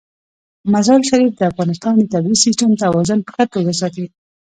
مزارشریف د افغانستان د طبعي سیسټم توازن په ښه توګه ساتي.